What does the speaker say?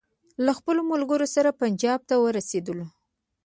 له خپلو ملګرو سره پنجاب ته ورسېدلو.